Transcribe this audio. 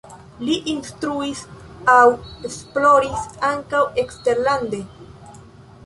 Li instruis aŭ esploris ankaŭ eksterlande.